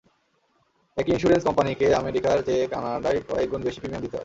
একই ইনস্যুরেন্স কোম্পানিকে আমেরিকার চেয়ে কানাডায় কয়েক গুন বেশি প্রিমিয়াম দিতে হয়।